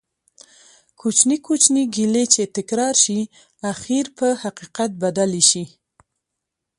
کوچنی کوچنی ګېلې چې تکرار شي ،اخير په حقيقت بدلي شي